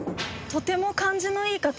とても感じのいい方で。